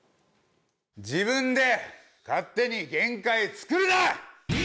自分で勝手に限界作るな。